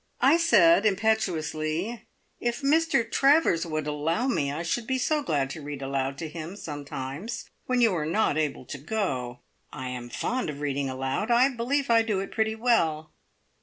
I said impetuously: "If Mr Travers would allow me, I should be so glad to read aloud to him sometimes, when you are not able to go. I am fond of reading aloud; I believe I do it pretty well."